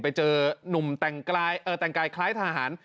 ไปเจอนุ่มแต่งกายคล้ายทหาร